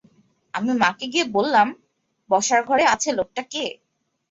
আমি মাকে গিয়ে বললাম, বসার ঘরে বসে আছে লোকটা কে?